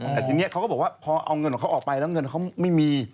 แต่ทีนี้เขาก็บอกว่าพอเอาเงินของเขาออกไปแล้วเงินเขาไม่มี